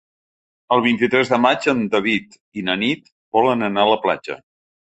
El vint-i-tres de maig en David i na Nit volen anar a la platja.